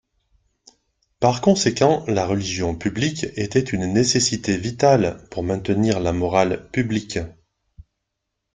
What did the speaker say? Par conséquent, la religion publique était une nécessité vitale pour maintenir la morale publique.